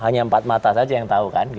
hanya empat mata saja yang tahu kan